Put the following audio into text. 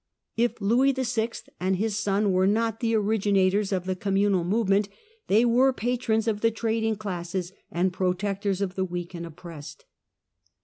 If Louis VI. and his son were not the originators of the communal movement, they were patrons of the trading classes and protectors of the weak and oppressed.